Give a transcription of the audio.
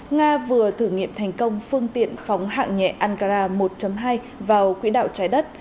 nga vừa thử nghiệm thành công phương tiện phóng hạng nhẹ ankara một hai vào quỹ đạo trái đất